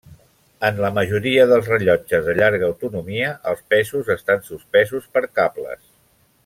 En la majoria dels rellotges de llarga autonomia els pesos estan suspesos per cables.